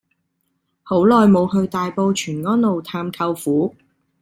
好耐無去大埔全安路探舅父